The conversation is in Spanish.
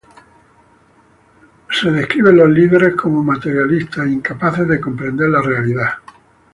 Los líderes son descritos como materialistas e incapaces de comprender la realidad.